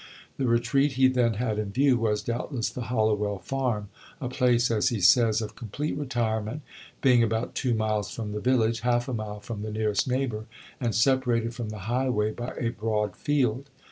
The retreat he then had in view was, doubtless, the Hollowell Farm, a place, as he says, "of complete retirement, being about two miles from the village, half a mile from the nearest neighbor, and separated from the highway by a broad field."